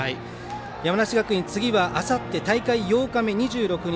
山梨学院次はあさって大会８日目２６日